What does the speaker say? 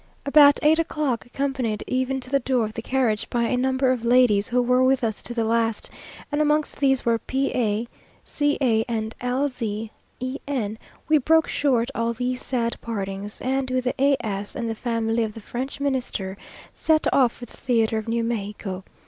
About eight o'clock, accompanied even to the door of the carriage by a number of ladies who were with us to the last, and amongst these were P a C a and L z E n, we broke short all these sad partings, and, with the A s and the family of the French Minister, set off for the theatre of New Mexico.